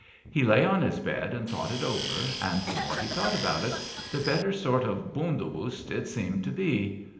He lay on his bed and thought it over, and the more he thought about it, the better sort of hund obust it seemed to be.